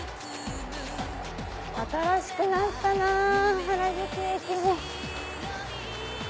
新しくなったなぁ原宿駅も。